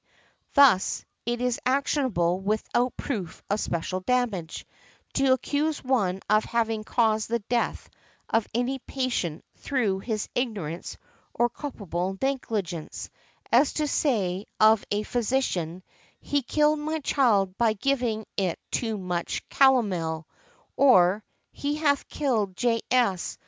Thus, it is actionable, without proof of special damage, to accuse one of having caused the death of any patient through his ignorance or culpable negligence, as to say of a physician, "He killed my child by giving it too much calomel," or, "He hath killed J. S.